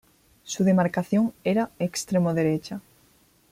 Su demarcación era extremo derecha.